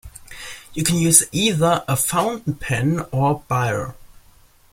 You can use either a fountain pen or a biro